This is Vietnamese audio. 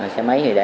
xe máy thì để